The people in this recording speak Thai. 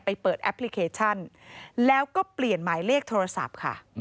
เปิดแอปพลิเคชันแล้วก็เปลี่ยนหมายเลขโทรศัพท์ค่ะ